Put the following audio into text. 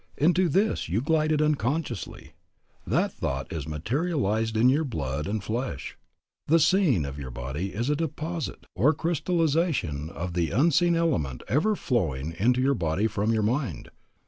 Into this you glided unconsciously. That thought is materialized in your blood and flesh. The seen of your body is a deposit or crystallization of the unseen element ever flowing to your body from your mind.